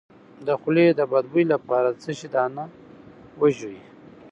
د خولې د بد بوی لپاره د څه شي دانه وژويئ؟